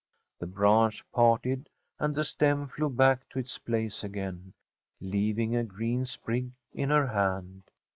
The branch parted and the stem flew back to its place again, leaving a green sprig in her hand.